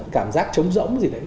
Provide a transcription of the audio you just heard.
cảm giác trống rỗng gì đấy